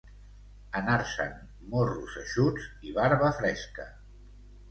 Anar-se'n morros eixuts i barba fresca.